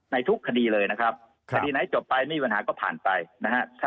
ในทุกคดีเลยนะครับคดีไหนจบไปไม่มีปัญหาก็ผ่านไปนะฮะ